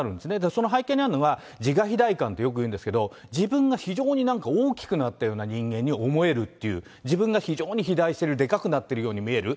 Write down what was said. その背景にあるのは、自我肥大感とよくいうんですけれども、自分が非常になんか大きくなったような人間に思えるっていう、自分が非常に肥大してる、でかくなってるように見える。